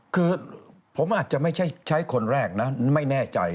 คือผมอาจจะไม่ใช่ใช้คนแรกนะไม่แน่ใจ